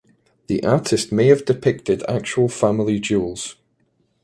The artist may have depicted actual family jewels.